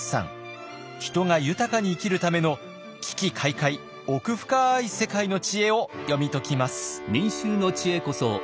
人が豊かに生きるための奇々怪々奥深い世界の知恵を読み解きます。